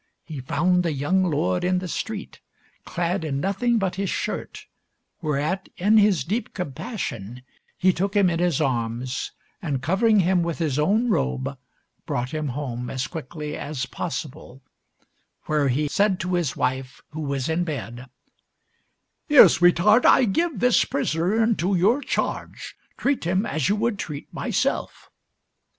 He found the young lord in the street, clad in nothing but his shirt, whereat in his deep compassion he took him in his arms, and, covering him with his own robe, brought him home as quickly as possible, where he said to his wife, who was in bed "Here, sweetheart, I give this prisoner into your charge. Treat him as you would treat myself."